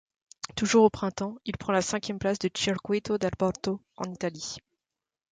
Toujours au printemps, il prend la cinquième place du Circuito del Porto, en Italie.